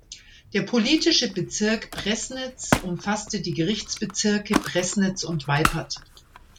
Der politische Bezirk Preßnitz umfasste die Gerichtsbezirke Preßnitz und Weipert.